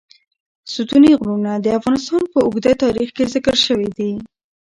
ستوني غرونه د افغانستان په اوږده تاریخ کې ذکر شوی دی.